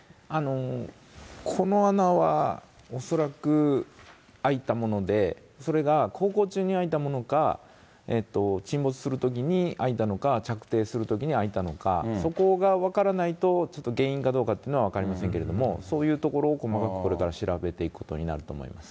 この穴は、恐らく開いたもので、それが航行中に開いたものか、沈没するときに開いたのか、着底するときに開いたのか、そこが分からないと、ちょっと原因かどうかってのは分かりませんけれども、そういうところを細かく、これから調べていくことになると思いま